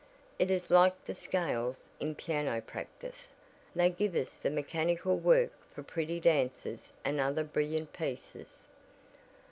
It is like the scales in piano practice, they give us the mechanical work for pretty dances and other brilliant pieces."